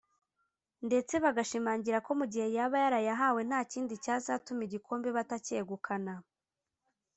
ndetse bagashimangira ko mu gihe yaba yarayahawe nta kindi cyazatuma igikombe batacyegukana